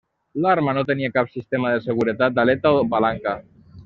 L'arma no tenia cap sistema de seguretat d'aleta o palanca.